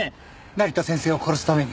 成田先生を殺すために。